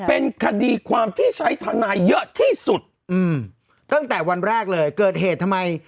เป็นคดีความที่ใช้ทนายเยอะที่สุดอืมตั้งแต่วันแรกเลยเกิดเหตุทำไม